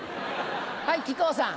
はい木久扇さん。